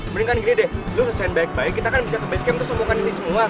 mending kan gini deh lu kesan baik baik kita kan bisa ke base camp terus untuk ini semua